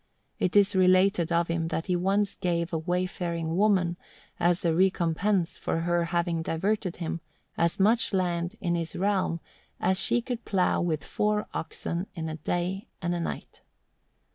It is related of him that he once gave a wayfaring woman, as a recompense for her having diverted him, as much land in his realm as she could plough with four oxen in a day and a night.